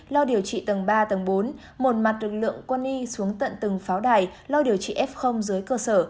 lo điều trị tầng ba tầng bốn một mặt lực lượng quân y xuống tận từng pháo đài lo điều trị f dưới cơ sở